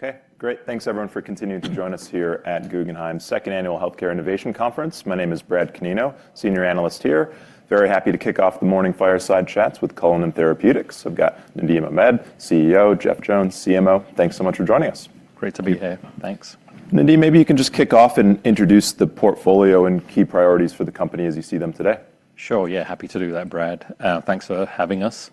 Okay, great. Thanks, everyone, for continuing to join us here at Guggenheim's second annual Healthcare Innovation Conference. My name is Brad Canino, Senior Analyst here. Very happy to kick off the morning fireside chats with Cullinan Therapeutics. I've got Nadim Ahmed, CEO; Jeff Jones, CMO. Thanks so much for joining us. Great to be here. Thanks. Nadim, maybe you can just kick off and introduce the portfolio and key priorities for the company as you see them today. Sure, yeah, happy to do that, Brad. Thanks for having us.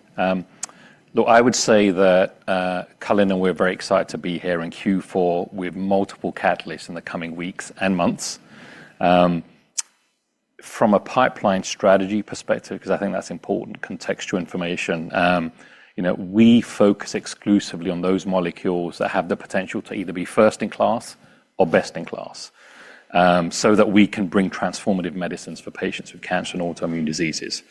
Look, I would say that Cullinan, we're very excited to be here in Q4 with multiple catalysts in the coming weeks and months. From a pipeline strategy perspective, because I think that's important, contextual information, we focus exclusively on those molecules that have the potential to either be first in class or best in class, so that we can bring transformative medicines for patients with cancer and autoimmune diseases.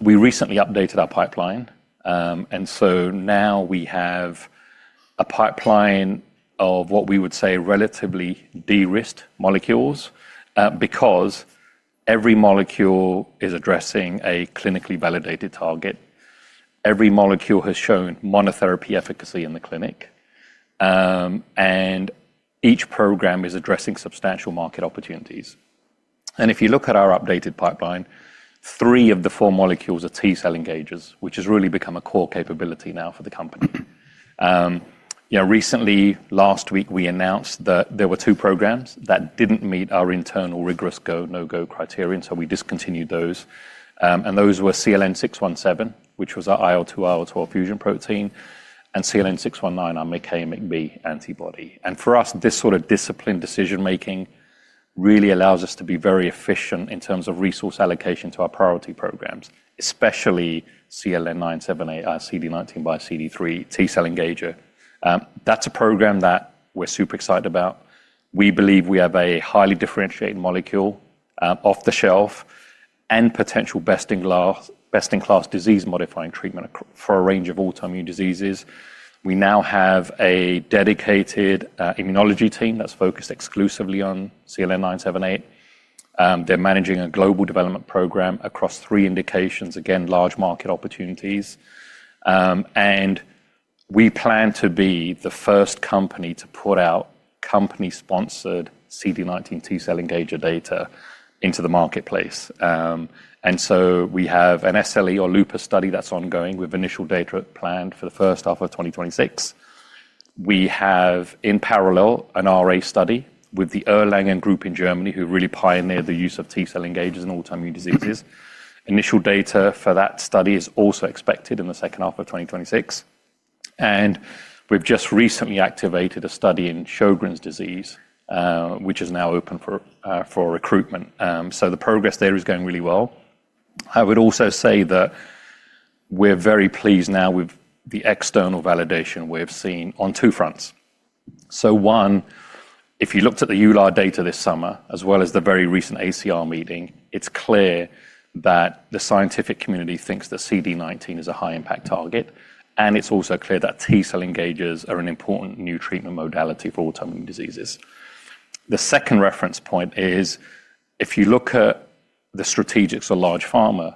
We recently updated our pipeline. And so now we have a pipeline of what we would say relatively de-risked molecules, because every molecule is addressing a clinically validated target. Every molecule has shown monotherapy efficacy in the clinic. And each program is addressing substantial market opportunities. If you look at our updated pipeline, three of the four molecules are T-cell engagers, which has really become a core capability now for the company. Recently, last week, we announced that there were two programs that did not meet our internal rigorous go/no-go criteria, and we discontinued those. Those were CLN-617, which was our IL-2, IL-12 fusion protein, and CLN-619, our MICA/MICB antibody. For us, this sort of disciplined decision-making really allows us to be very efficient in terms of resource allocation to our priority programs, especially CLN-978, our CD19 x CD3 T-cell engager. That is a program that we are super excited about. We believe we have a highly differentiated molecule off the shelf and potential best in class disease-modifying treatment for a range of autoimmune diseases. We now have a dedicated immunology team that is focused exclusively on CLN-978. They're managing a global development program across three indications, again, large market opportunities. We plan to be the first company to put out company-sponsored CD19 T-cell engager data into the marketplace. We have an SLE or lupus study that's ongoing with initial data planned for the first half of 2026. We have, in parallel, an RA study with the Erlangen Group in Germany, who really pioneered the use of T-cell engagers in autoimmune diseases. Initial data for that study is also expected in the second half of 2026. We've just recently activated a study in Sjögren's disease, which is now open for recruitment. The progress there is going really well. I would also say that we're very pleased now with the external validation we've seen on two fronts. One, if you looked at the EULAR data this summer, as well as the very recent ACR meeting, it's clear that the scientific community thinks that CD19 is a high-impact target. It's also clear that T-cell engagers are an important new treatment modality for autoimmune diseases. The second reference point is, if you look at the strategics of large pharma,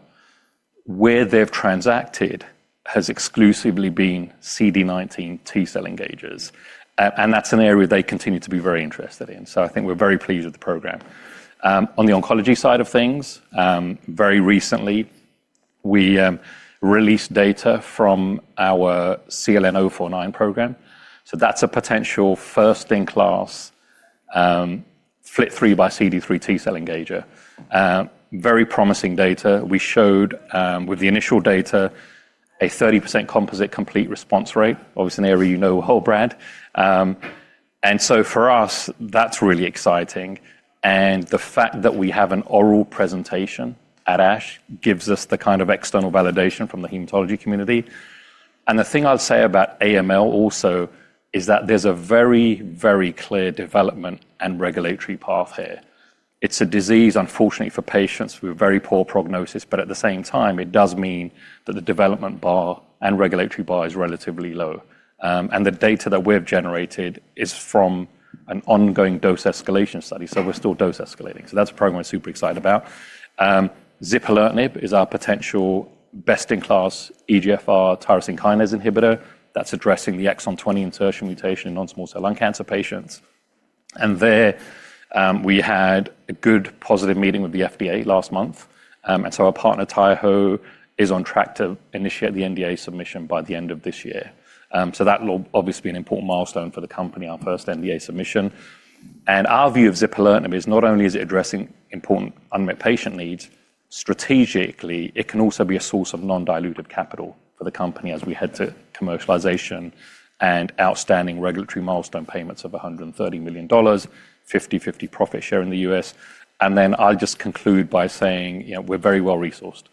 where they've transacted has exclusively been CD19 T-cell engagers. That's an area they continue to be very interested in. I think we're very pleased with the program. On the oncology side of things, very recently, we released data from our CLN-049 program. That's a potential first in class FLT3 x CD3 T-cell engager. Very promising data. We showed with the initial data a 30% composite complete response rate. Obviously, in the area, you know the whole brand. For us, that's really exciting. The fact that we have an oral presentation at ASH gives us the kind of external validation from the hematology community. The thing I'll say about AML also is that there's a very, very clear development and regulatory path here. It's a disease, unfortunately, for patients with very poor prognosis, but at the same time, it does mean that the development bar and regulatory bar is relatively low. The data that we've generated is from an ongoing dose escalation study. We're still dose escalating. That's a program we're super excited about. Zipalertinib is our potential best in class EGFR tyrosine kinase inhibitor that's addressing the exon 20 insertion mutation in non-small cell lung cancer patients. There, we had a good positive meeting with the FDA last month. Our partner, Taiho, is on track to initiate the NDA submission by the end of this year. That will obviously be an important milestone for the company, our first NDA submission. Our view of zipalertinib is not only is it addressing important unmet patient needs, strategically, it can also be a source of non-dilutive capital for the company as we head to commercialization and outstanding regulatory milestone payments of $130 million, 50/50 profit share in the U.S. I'll just conclude by saying we're very well resourced.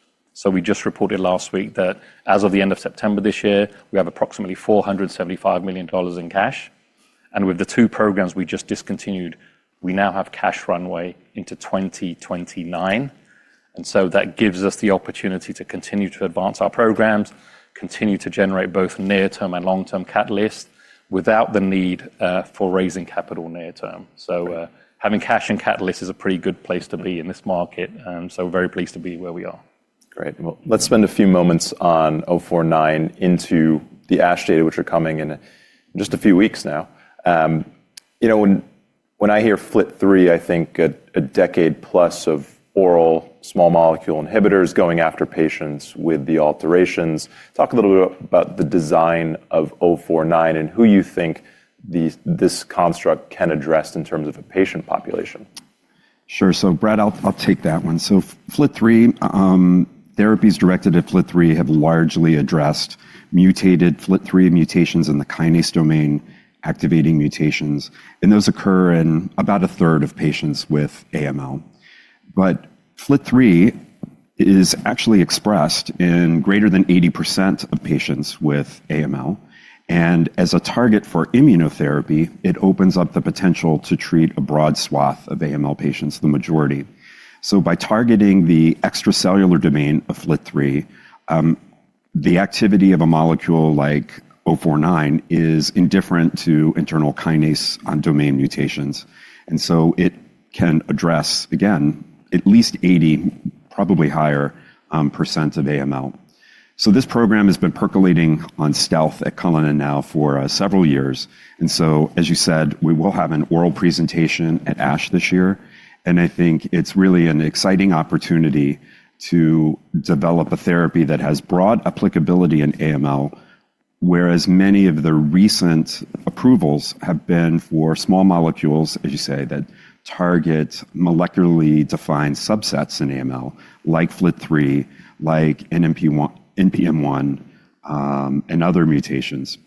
We just reported last week that as of the end of September this year, we have approximately $475 million in cash. With the two programs we just discontinued, we now have cash runway into 2029. That gives us the opportunity to continue to advance our programs, continue to generate both near-term and long-term catalysts without the need for raising capital near-term. Having cash and catalysts is a pretty good place to be in this market. We are very pleased to be where we are. Great. Let's spend a few moments on 049 into the ASH data, which are coming in just a few weeks now. When I hear FLT3, I think a decade plus of oral small molecule inhibitors going after patients with the alterations. Talk a little bit about the design of 049 and who you think this construct can address in terms of a patient population. Sure. So Brad, I'll take that one. FLT3, therapies directed at FLT3 have largely addressed mutated FLT3 mutations in the kinase domain activating mutations. Those occur in about a third of patients with AML. FLT3 is actually expressed in greater than 80% of patients with AML. As a target for immunotherapy, it opens up the potential to treat a broad swath of AML patients, the majority. By targeting the extracellular domain of FLT3, the activity of a molecule like 049 is indifferent to internal kinase on-domain mutations. It can address, again, at least 80%, probably higher, percent of AML. This program has been percolating on stealth at Cullinan now for several years. As you said, we will have an oral presentation at ASH this year. I think it's really an exciting opportunity to develop a therapy that has broad applicability in AML, whereas many of the recent approvals have been for small molecules, as you say, that target molecularly defined subsets in AML, like FLT3, like NPM1, and other mutations.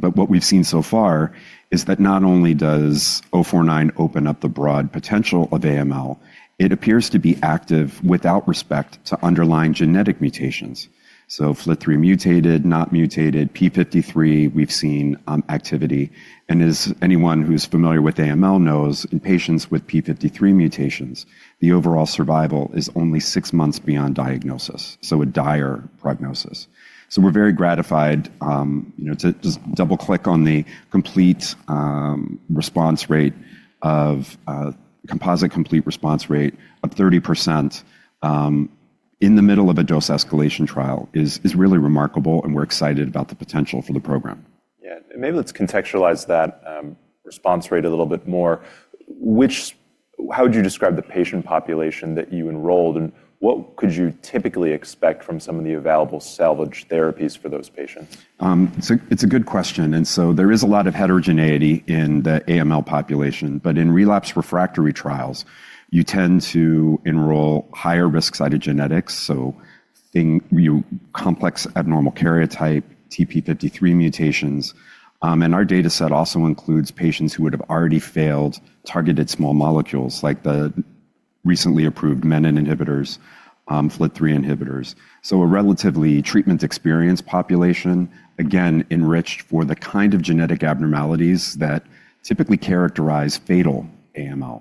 What we've seen so far is that not only does 049 open up the broad potential of AML, it appears to be active without respect to underlying genetic mutations. FLT3 mutated, not mutated, p53, we've seen activity. As anyone who's familiar with AML knows, in patients with p53 mutations, the overall survival is only six months beyond diagnosis, so a dire prognosis. We're very gratified to just double-click on the complete response rate. A composite complete response rate of 30% in the middle of a dose escalation trial is really remarkable, and we're excited about the potential for the program. Yeah, maybe let's contextualize that response rate a little bit more. How would you describe the patient population that you enrolled, and what could you typically expect from some of the available salvage therapies for those patients? It's a good question. There is a lot of heterogeneity in the AML population. In relapse refractory trials, you tend to enroll higher-risk cytogenetics, so complex abnormal karyotype, TP53 mutations. Our data set also includes patients who would have already failed targeted small molecules, like the recently approved menin inhibitors, FLT3 inhibitors. A relatively treatment-experienced population, again, enriched for the kind of genetic abnormalities that typically characterize fatal AML.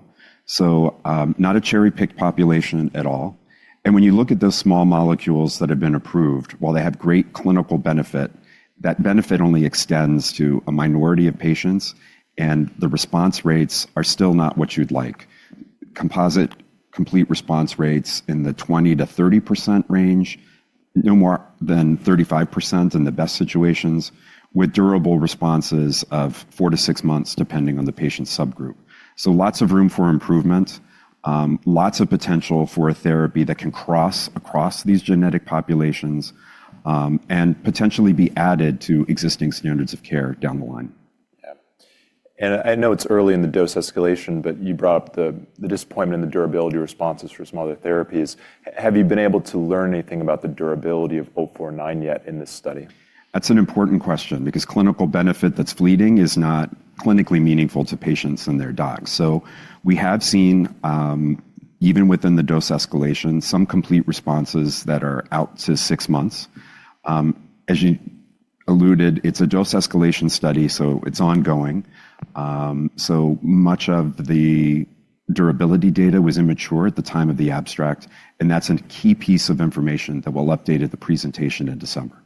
Not a cherry-picked population at all. When you look at those small molecules that have been approved, while they have great clinical benefit, that benefit only extends to a minority of patients, and the response rates are still not what you'd like. Composite complete response rates in the 20%-30% range, no more than 35% in the best situations, with durable responses of four to six months, depending on the patient subgroup. Lots of room for improvement, lots of potential for a therapy that can cross across these genetic populations and potentially be added to existing standards of care down the line. Yeah. I know it's early in the dose escalation, but you brought up the disappointment in the durability responses for some other therapies. Have you been able to learn anything about the durability of 049 yet in this study? That's an important question, because clinical benefit that's fleeting is not clinically meaningful to patients and their docs. We have seen, even within the dose escalation, some complete responses that are out to six months. As you alluded, it's a dose escalation study, so it's ongoing. Much of the durability data was immature at the time of the abstract. That's a key piece of information that we'll update at the presentation in December.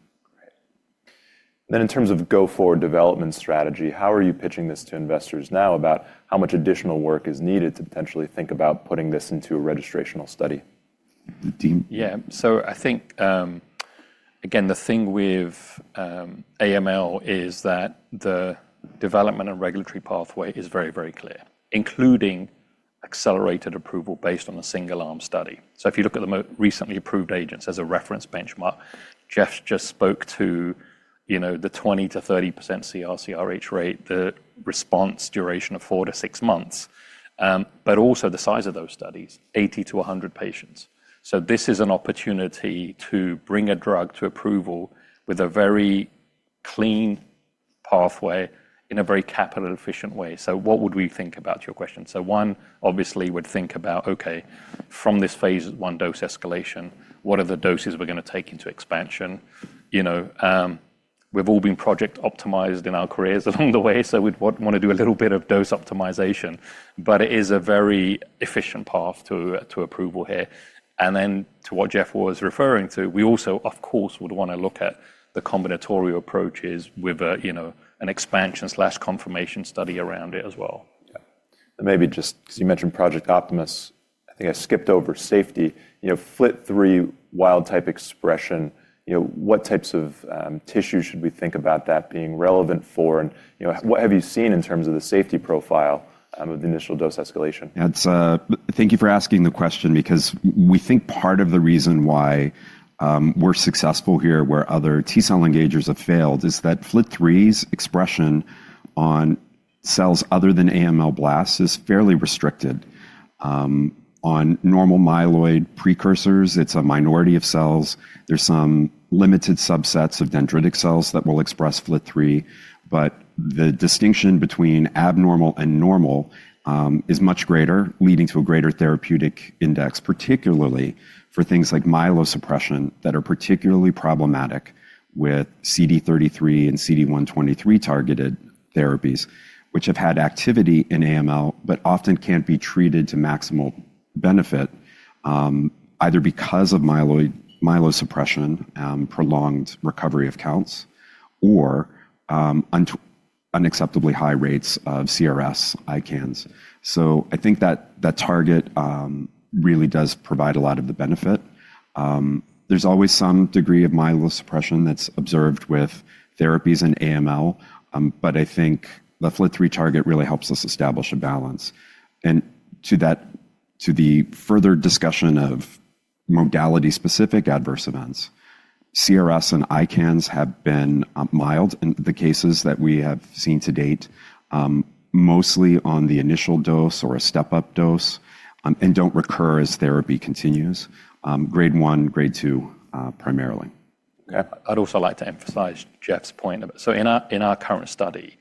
Great. In terms of go-forward development strategy, how are you pitching this to investors now about how much additional work is needed to potentially think about putting this into a registrational study? Yeah. I think, again, the thing with AML is that the development and regulatory pathway is very, very clear, including accelerated approval based on a single-arm study. If you look at the most recently approved agents as a reference benchmark, Jeff just spoke to the 20%-30% CRc rate, the response duration of four to six months, but also the size of those studies, 80-100 patients. This is an opportunity to bring a drug to approval with a very clean pathway in a very capital-efficient way. What would we think about, your question? One, obviously, we would think about, OK, from this phase one dose escalation, what are the doses we are going to take into expansion? We have all been project optimized in our careers along the way, so we would want to do a little bit of dose optimization. It is a very efficient path to approval here. To what Jeff was referring to, we also, of course, would want to look at the combinatorial approaches with an expansion/confirmation study around it as well. Yeah. Maybe just because you mentioned Project Optimus, I think I skipped over safety. FLT3 wild-type expression, what types of tissues should we think about that being relevant for? What have you seen in terms of the safety profile of the initial dose escalation? Thank you for asking the question, because we think part of the reason why we're successful here where other T-cell engagers have failed is that FLT3's expression on cells other than AML blasts is fairly restricted. On normal myeloid precursors, it's a minority of cells. There's some limited subsets of dendritic cells that will express FLT3. The distinction between abnormal and normal is much greater, leading to a greater therapeutic index, particularly for things like myelosuppression that are particularly problematic with CD33 and CD123 targeted therapies, which have had activity in AML but often can't be treated to maximal benefit, either because of myelosuppression, prolonged recovery of counts, or unacceptably high rates of CRS, ICANS. I think that target really does provide a lot of the benefit. There's always some degree of myelosuppression that's observed with therapies in AML. I think the FLT3 target really helps us establish a balance. To the further discussion of modality-specific adverse events, CRS and ICANS have been mild in the cases that we have seen to date, mostly on the initial dose or a step-up dose, and do not recur as therapy continues, grade 1, grade 2, primarily. OK, I'd also like to emphasize Jeff's point. In our current study,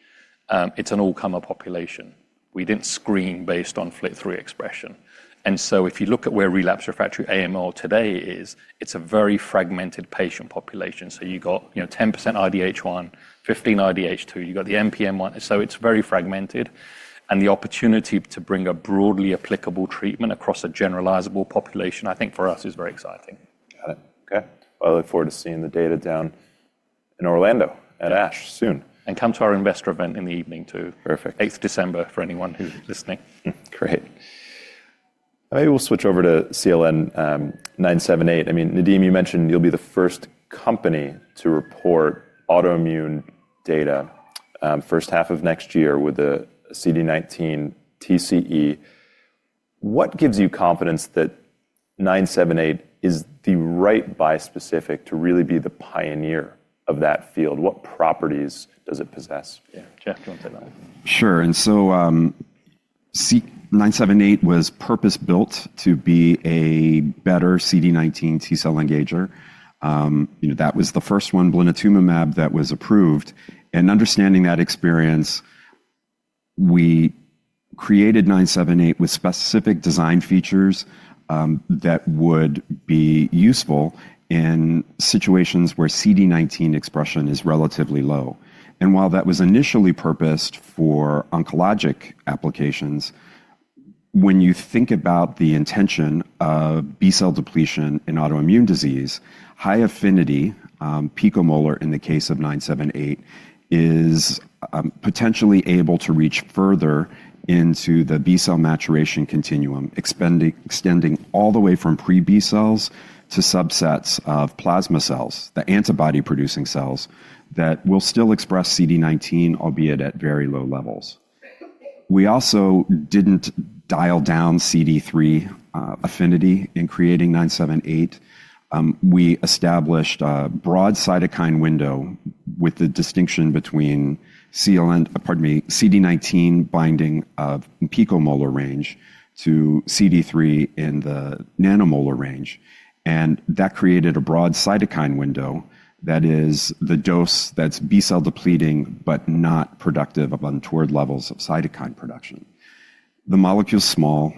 it's an all-comer population. We didn't screen based on FLT3 expression. If you look at where relapse refractory AML today is, it's a very fragmented patient population. You've got 10% IDH1, 15% IDH2, you've got the NPM1. It's very fragmented. The opportunity to bring a broadly applicable treatment across a generalizable population, I think for us is very exciting. Got it. I look forward to seeing the data down in Orlando at ASH soon. Come to our investor event in the evening too, 8th December, for anyone who's listening. Great. Maybe we'll switch over to CLN-978. I mean, Nadim, you mentioned you'll be the first company to report autoimmune data first half of next year with a CD19 TCE. What gives you confidence that 978 is the right bispecific to really be the pioneer of that field? What properties does it possess? Yeah, Jeff, do you want to say that? Sure. 978 was purpose-built to be a better CD19 T-cell engager. That was the first one, blinatumomab, that was approved. Understanding that experience, we created 978 with specific design features that would be useful in situations where CD19 expression is relatively low. While that was initially purposed for oncologic applications, when you think about the intention of B-cell depletion in autoimmune disease, high affinity, picomolar in the case of 978, is potentially able to reach further into the B-cell maturation continuum, extending all the way from pre-B cells to subsets of plasma cells, the antibody-producing cells that will still express CD19, albeit at very low levels. We also did not dial down CD3 affinity in creating 978. We established a broad cytokine window with the distinction between CD19 binding of picomolar range to CD3 in the nanomolar range. That created a broad cytokine window that is the dose that's B-cell depleting but not productive of untoward levels of cytokine production. The molecule is small.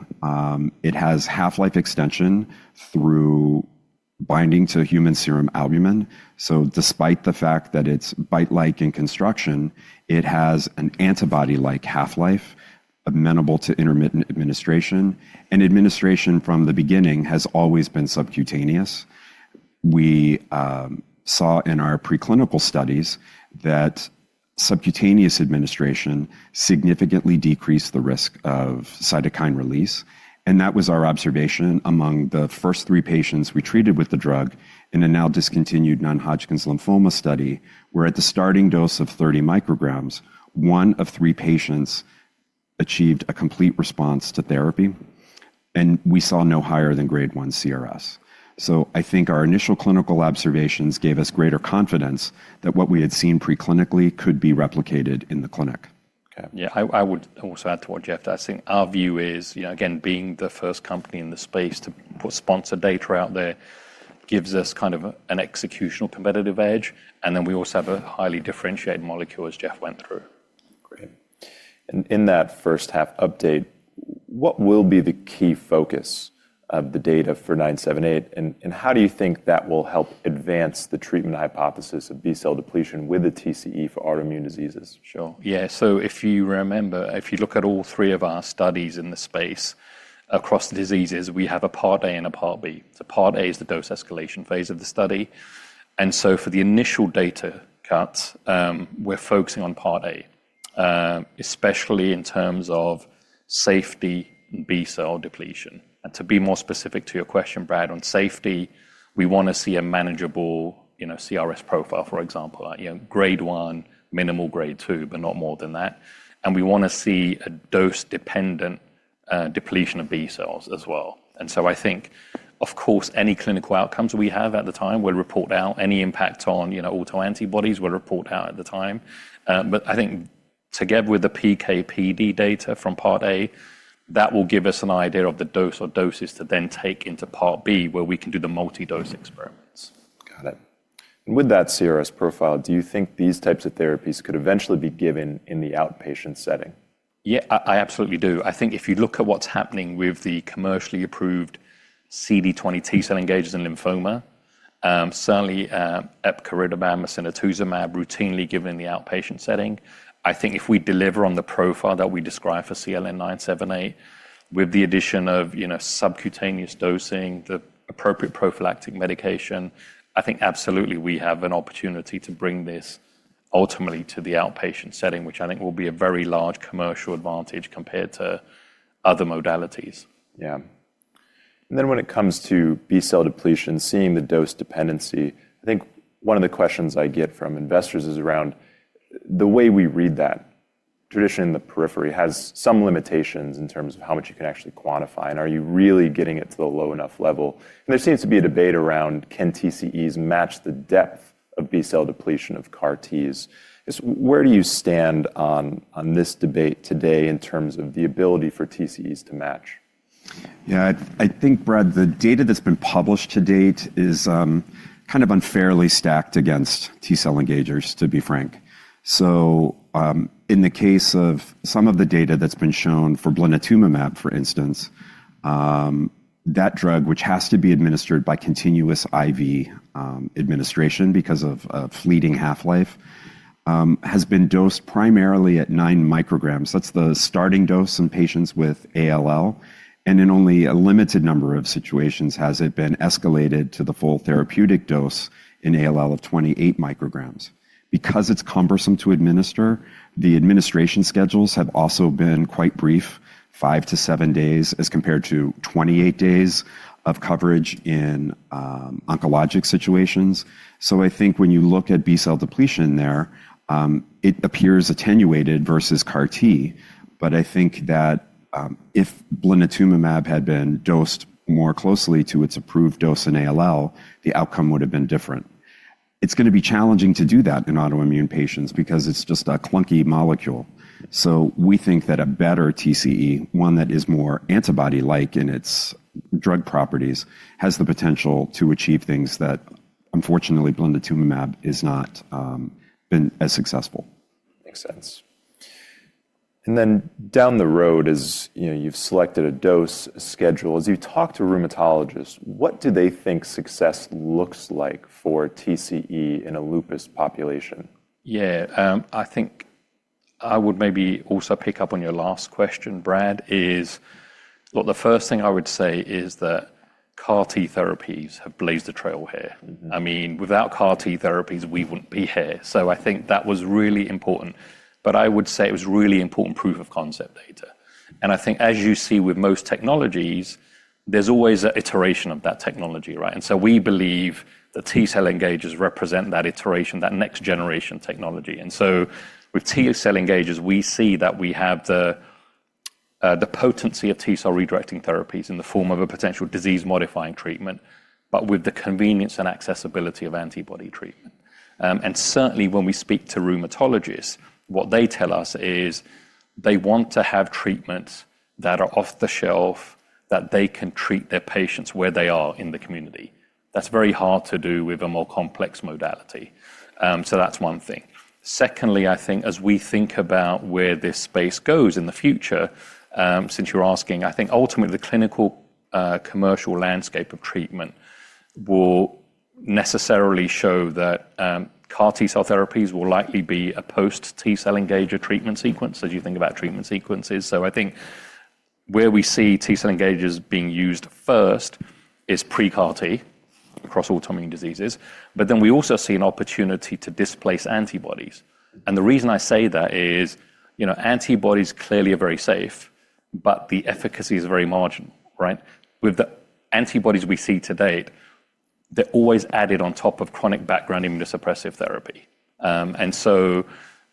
It has half-life extension through binding to human serum albumin. Despite the fact that it's bite-like in construction, it has an antibody-like half-life amenable to intermittent administration. Administration from the beginning has always been subcutaneous. We saw in our preclinical studies that subcutaneous administration significantly decreased the risk of cytokine release. That was our observation among the first three patients we treated with the drug in a now discontinued non-Hodgkin's lymphoma study, where at the starting dose of 30 micrograms, one of three patients achieved a complete response to therapy. We saw no higher than grade 1 CRS. I think our initial clinical observations gave us greater confidence that what we had seen preclinically could be replicated in the clinic. OK. Yeah, I would also add to what Jeff Jones. I think our view is, again, being the first company in the space to put sponsored data out there gives us kind of an executional competitive edge. We also have a highly differentiated molecule, as Jeff went through. Great. In that first half update, what will be the key focus of the data for 978? How do you think that will help advance the treatment hypothesis of B-cell depletion with the TCE for autoimmune diseases? Sure. Yeah, if you remember, if you look at all three of our studies in the space across the diseases, we have a Part A and a Part B. Part A is the dose escalation phase of the study. For the initial data cuts, we are focusing on Part A, especially in terms of safety and B-cell depletion. To be more specific to your question, Brad, on safety, we want to see a manageable CRS profile, for example, grade 1, minimal grade 2, but not more than that. We want to see a dose-dependent depletion of B-cells as well. I think, of course, any clinical outcomes we have at the time, we will report out. Any impact on autoantibodies, we will report out at the time. I think together with the PK/PD data from Part A, that will give us an idea of the dose or doses to then take into Part B, where we can do the multi-dose experiments. Got it. With that CRS profile, do you think these types of therapies could eventually be given in the outpatient setting? Yeah, I absolutely do. I think if you look at what's happening with the commercially approved CD20 T-cell engagers in lymphoma, certainly epcoritamab and mosunetuzumab routinely given in the outpatient setting, I think if we deliver on the profile that we describe for CLN-978 with the addition of subcutaneous dosing, the appropriate prophylactic medication, I think absolutely we have an opportunity to bring this ultimately to the outpatient setting, which I think will be a very large commercial advantage compared to other modalities. Yeah. And then when it comes to B-cell depletion, seeing the dose dependency, I think one of the questions I get from investors is around the way we read that. Traditionally, in the periphery, it has some limitations in terms of how much you can actually quantify. And are you really getting it to the low enough level? And there seems to be a debate around, can TCEs match the depth of B-cell depletion of CAR-Ts? Where do you stand on this debate today in terms of the ability for TCEs to match? Yeah, I think, Brad, the data that's been published to date is kind of unfairly stacked against T-cell engagers, to be frank. In the case of some of the data that's been shown for blinatumomab, for instance, that drug, which has to be administered by continuous IV administration because of fleeting half-life, has been dosed primarily at nine micrograms. That's the starting dose in patients with ALL. In only a limited number of situations has it been escalated to the full therapeutic dose in ALL of 28 micrograms. Because it's cumbersome to administer, the administration schedules have also been quite brief, five to seven days, as compared to 28 days of coverage in oncologic situations. I think when you look at B-cell depletion there, it appears attenuated versus CAR-T. I think that if blinatumomab had been dosed more closely to its approved dose in ALL, the outcome would have been different. It's going to be challenging to do that in autoimmune patients because it's just a clunky molecule. We think that a better TCE, one that is more antibody-like in its drug properties, has the potential to achieve things that, unfortunately, blinatumomab has not been as successful. Makes sense. Then down the road, as you've selected a dose schedule, as you talk to rheumatologists, what do they think success looks like for TCE in a lupus population? Yeah, I think I would maybe also pick up on your last question, Brad, is the first thing I would say is that CAR-T therapies have blazed a trail here. I mean, without CAR-T therapies, we wouldn't be here. I think that was really important. I would say it was really important proof of concept data. I think, as you see with most technologies, there's always an iteration of that technology, right? We believe that T-cell engagers represent that iteration, that next-generation technology. With T-cell engagers, we see that we have the potency of T-cell redirecting therapies in the form of a potential disease-modifying treatment, but with the convenience and accessibility of antibody treatment. Certainly, when we speak to rheumatologists, what they tell us is they want to have treatments that are off the shelf, that they can treat their patients where they are in the community. That is very hard to do with a more complex modality. That is one thing. Secondly, I think as we think about where this space goes in the future, since you are asking, I think ultimately the clinical commercial landscape of treatment will necessarily show that CAR-T cell therapies will likely be a post-T-cell engager treatment sequence as you think about treatment sequences. I think where we see T-cell engagers being used first is pre-CAR-T across autoimmune diseases. We also see an opportunity to displace antibodies. The reason I say that is antibodies clearly are very safe, but the efficacy is very marginal, right? With the antibodies we see to date, they're always added on top of chronic background immunosuppressive therapy.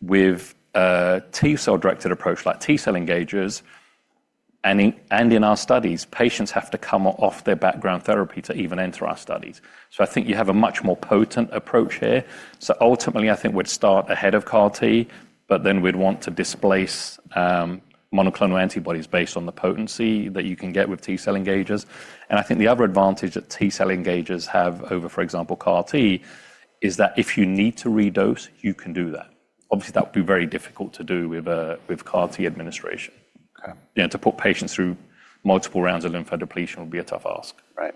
With a T-cell-directed approach like T-cell engagers, and in our studies, patients have to come off their background therapy to even enter our studies. I think you have a much more potent approach here. Ultimately, I think we'd start ahead of CAR-T, but then we'd want to displace monoclonal antibodies based on the potency that you can get with T-cell engagers. I think the other advantage that T-cell engagers have over, for example, CAR-T is that if you need to redose, you can do that. Obviously, that would be very difficult to do with CAR-T administration. To put patients through multiple rounds of lymphodepletion would be a tough ask. Right.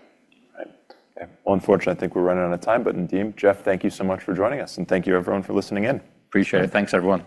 Right. Unfortunately, I think we're running out of time. But Nadim, Jeff, thank you so much for joining us. And thank you, everyone, for listening in. Appreciate it. Thanks, everyone.